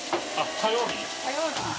火曜日。